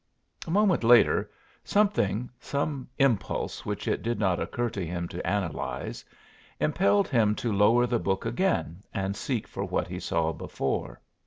A moment later something some impulse which it did not occur to him to analyze impelled him to lower the book again and seek for what he saw before.